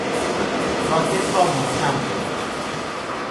راکت را محکم بگیر!